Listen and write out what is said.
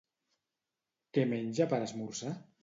Què menja per esmorzar?